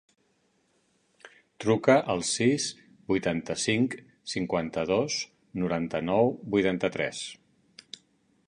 Truca al sis, vuitanta-cinc, cinquanta-dos, noranta-nou, vuitanta-tres.